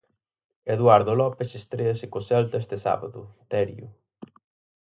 Eduardo López estréase co Celta este sábado, Terio.